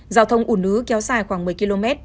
giao thông ủn ứ kéo dài khoảng một mươi km